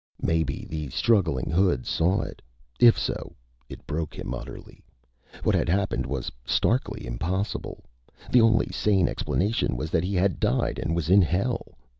Maybe the struggling hood saw it. If so, it broke him utterly. What had happened was starkly impossible. The only sane explanation was that he had died and was in hell.